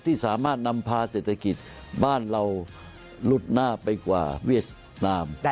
ที่สามารถนำพาเศรษฐกิจบ้านเราหลุดหน้าไปกว่าเวียดนาม